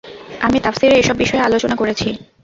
আমি তাফসীরে এসব বিষয়ে আলোচনা করেছি।